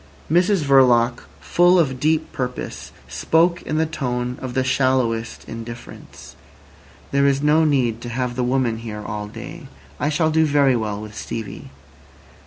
Mrs Verloc, full of deep purpose, spoke in the tone of the shallowest indifference. "There is no need to have the woman here all day. I shall do very well with Stevie."